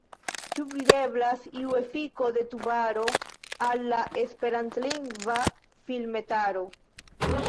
Ĉu videblas iu efiko de Tubaro al la esperantlingva filmetaro?